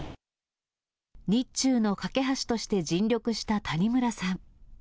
日中の懸け橋として尽力した谷村さん。